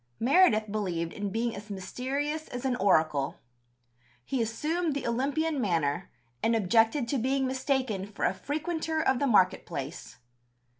Meredith believed in being as mysterious as an oracle. He assumed the Olympian manner, and objected to being mistaken for a frequenter of the market place.